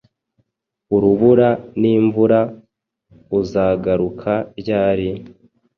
urubura n'imvura Uzagaruka ryari?